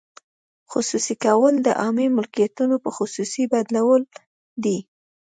خصوصي کول د عامه ملکیتونو په خصوصي بدلول دي.